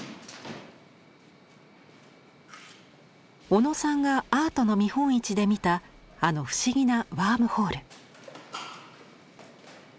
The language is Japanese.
小野さんがアートの見本市で見たあの不思議な「ＷＯＲＭＨＯＬＥ」。